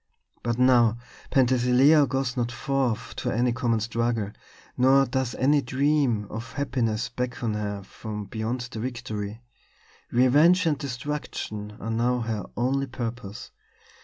But now Penthesilea goes not forth to any common struggle, nor does any dream of happiness beckon her from beyond the victory. Revenge and destruction are now her only purpose.